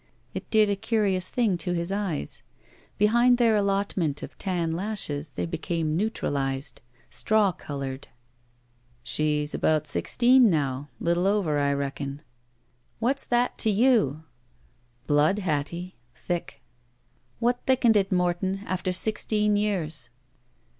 It did a curious thing to his eyes. Behind their allotment of tan lashes they became neutralized. Straw colored. "She's about sixteen now. Little over, I reckon." *'What'sthattoyou?" *'Blood, Hattie. Thick." "What thickened it, Morton — after sixteen years?"